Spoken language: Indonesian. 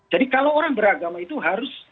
jadi kalau orang beragama itu harus